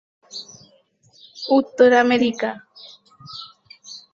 Uttar America